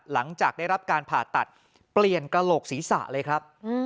หลังจากได้รับการผ่าตัดเปลี่ยนกระโหลกศีรษะเลยครับ